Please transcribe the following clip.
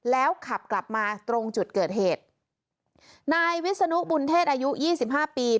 แล้วขับกลับมาตรงจุดเกิดเหตุนายวิศนุบุญเทศอายุยี่สิบห้าปี